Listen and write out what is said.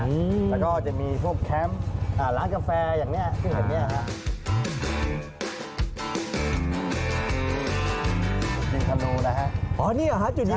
แล้วก็จะมีพวกแคมพ์ร้านกาแฟขนาดนี้